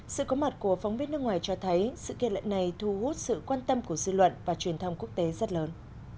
sự có mặt của phóng viên nước ngoài cho thấy sự kết luận này thu hút sự quan tâm của dư luận và truyền thông quốc tế rất lớn